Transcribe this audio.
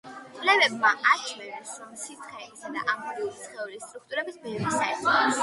კვლევებმა აჩვენეს, რომ სითხეების და ამორფული სხეულების სტრუქტურებს ბევრი საერთო აქვთ.